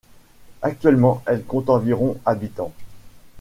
Actuellement elle compte environ habitants.